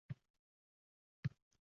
— Qaysi yurtdansan? — deb so‘radi.